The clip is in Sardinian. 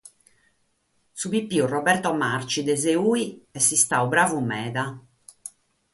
Su pipiu Roberto Marci, de Seui, est istadu bravu meda.